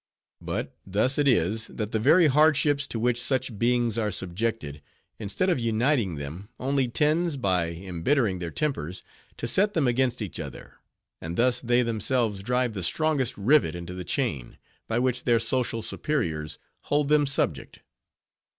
But thus it is, that the very hardships to which such beings are subjected, instead of uniting them, only tends, by imbittering their tempers, to set them against each other; and thus they themselves drive the strongest rivet into the chain, by which their social superiors hold them subject.